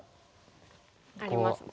ありますもんね。